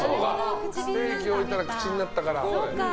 ステーキを置いたら口になったから。